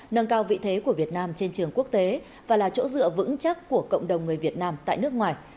nâng cao vị thế của việt nam trên trường quốc tế và là chỗ dựa vững chắc của cộng đồng người việt nam tại nước ngoài